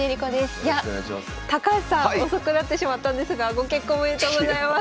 いや高橋さん遅くなってしまったんですがご結婚おめでとうございます。